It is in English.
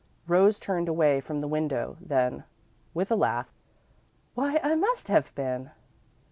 Rose turned away from the window then, with a laugh. "Why, I must have been.